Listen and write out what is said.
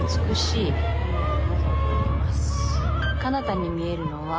かなたに見えるのは。